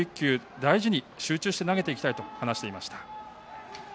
大事に集中して投げていきたいと話していました。